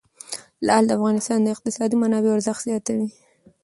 لعل د افغانستان د اقتصادي منابعو ارزښت زیاتوي.